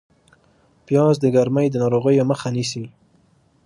پیاز د ګرمۍ د ناروغیو مخه نیسي